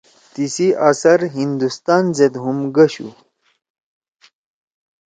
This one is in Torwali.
تیِسی اثر ہندوستان زید ہُم گَشُو